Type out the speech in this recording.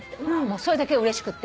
それだけうれしくって。